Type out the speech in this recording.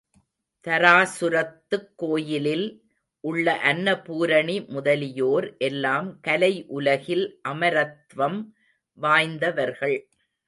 தாராசுரத்துக் கோயிலில் உள்ள அன்னபூரணி முதலியோர் எல்லாம் கலை உலகில் அமரத்வம் வாய்ந்தவர்கள்.